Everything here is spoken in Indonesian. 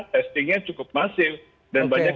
testingnya cukup masif dan banyak